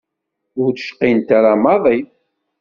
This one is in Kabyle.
Ur d-cqint ara maḍi.